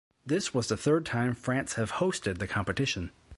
This was the third time France have hosted the competition.